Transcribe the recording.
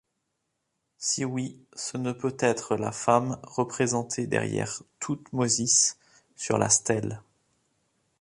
Si oui, ce ne peut être la femme représentée derrière Thoutmôsis sur la stèle.